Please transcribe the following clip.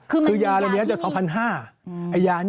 คือยาอะไรที่นี้ได้จารใน๒๐๐๕